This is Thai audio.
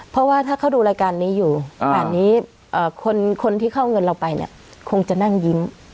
เพราะว่าถ้าเขาดูรายการนี้อยู่ป่านนี้คนที่เข้าเงินเราไปเนี่ยคงจะนั่งยิ้ม